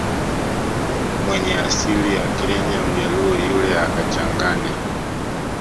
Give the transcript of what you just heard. mwenye asili ya Kenya Mjaluo yule akachanganya